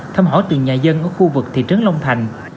thăm hỏi từng nhà dân ở khu vực thị trấn long thành